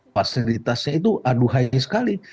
pasifitasnya itu aduhai sekali